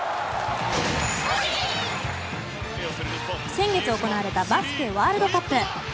先月行われたバスケワールドカップ。